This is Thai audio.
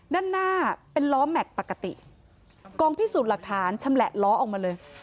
ด้านหน้าเป็นล้อแม็กซ์ปกติกองพิสูจน์หลักฐานชำแหละล้อออกมาเลย